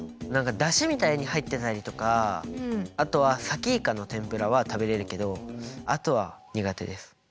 何かだしみたいに入ってたりとかあとはさきいかの天ぷらは食べれるけどあとは苦手です。